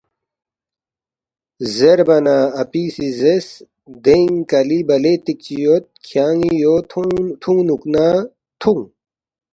زیربا نہ اپی سی زیرس، ”دینگ کَلی بلے تِکچی یود، کھیان٘ی یو تُھونگنُوک نا تُھونگ